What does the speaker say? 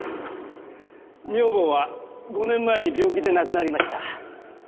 女房は５年前に病気で亡くなりました。